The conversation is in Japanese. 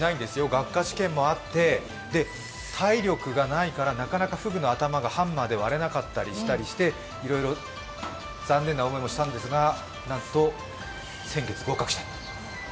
学科試験もあって体力がないからなかなかフグの頭がハンマーで割れなかったりして、残念な思いもしたんですがなんと先月、合格したんです。